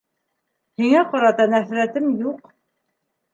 Һиңә ҡарата нәфрәтем юҡ.